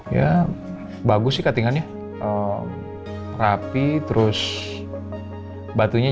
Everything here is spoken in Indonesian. ya bagus sih ketinggiannya rapi terus batunya jelas